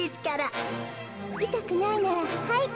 いたくないならはい。